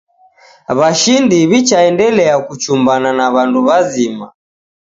Washindi wichaendelea kuchumbana na wandu wazima